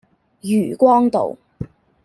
漁光道